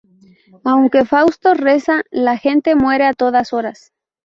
Aunque Fausto reza, la gente muere a todas horas.